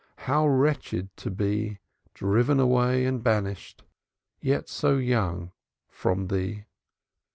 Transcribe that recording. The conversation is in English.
How wretched to be Driven away and banished, Yet so young, from thee."